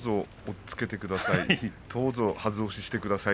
どうぞ押っつけてください